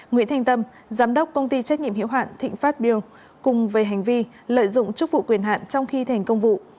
nguyễn thành tâm giám đốc công ty trách nhiệm hiểu hạn thịnh pháp biêu cùng về hành vi lợi dụng chức vụ quyền hạn trong khi thành công vụ